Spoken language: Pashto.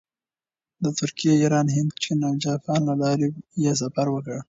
د ترکیې، ایران، هند، چین او جاپان له لارې یې سفر وکړ.